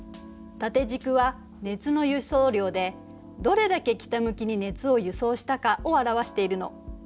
縦軸は熱の輸送量でどれだけ北向きに熱を輸送したかを表しているの。